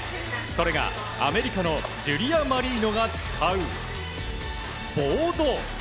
それがアメリカのジュリア・マリーノが使うボード。